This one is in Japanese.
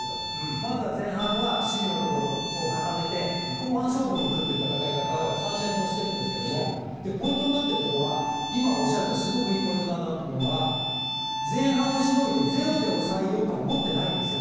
まずは前半は守備のところを固めて後半勝負に行くという固め方を３試合ともしてるんですがポイントになっているところは今、おっしゃられたすごくいいポイントだと思うのは前半をしのいで０で抑えようとは思ってないんです。